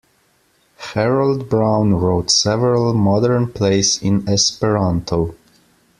Harold Brown wrote several modern plays in Esperanto.